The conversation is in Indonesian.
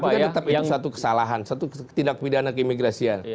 tapi kan tetap itu satu kesalahan satu ketidakpidana keimigrasian